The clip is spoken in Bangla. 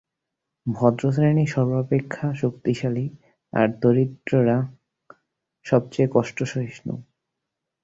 ভদ্রশ্রেণী সর্বাপেক্ষা শক্তিশালী, আর দরিদ্রেরা সবচেয়ে কষ্টসহিষ্ণু।